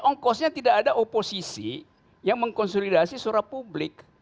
ongkosnya tidak ada oposisi yang mengkonsolidasi surat publik